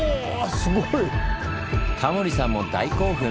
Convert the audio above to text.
タモリさんも大興奮！